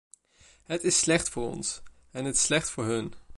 Het is slecht voor ons, en het is slecht voor hen.